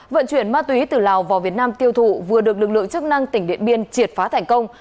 vận chuyển ma túy từ lào vào việt nam tiêu thụ vừa được lực lượng chức năng tỉnh điện biên triệt phá thành công